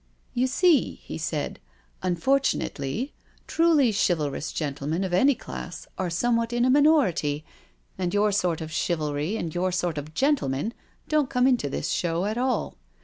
*^*' You see," he said, " unfortunately, truly chivalrous gentlemen of any class are somewhat in a minority, and your sort of diivalry and your sort of gentlemen don't come into this show at all.